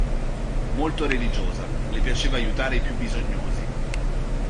Molto religiosa, le piaceva aiutare i più bisognosi.